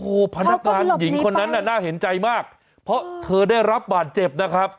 โอ้โหพนักงานหญิงคนนั้นน่ะน่าเห็นใจมากเพราะเธอได้รับบาดเจ็บนะครับ